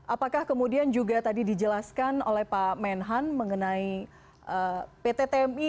apakah kemudian juga tadi dijelaskan oleh pak menhan mengenai pt tmi